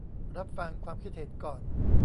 รับฟังความคิดเห็นก่อน